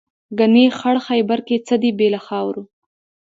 ګنې خړ خیبر کې څه دي بې له خاورو.